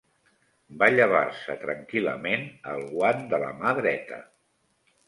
Va llevar-se tranquil·lament el guant de la mà dreta